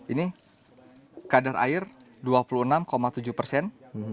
ini kadar air dua puluh enam tujuh persen